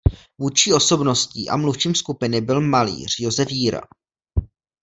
Vůdčí osobností a mluvčím skupiny byl malíř Josef Jíra.